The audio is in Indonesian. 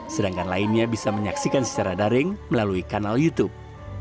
sedangkan lainnya bisa menyaksikan secara daring melalui kanal youtube